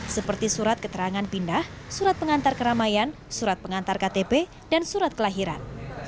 seperti surat keterangan pindah surat pengantar keramaian surat pengantar ktp dan surat kelahiran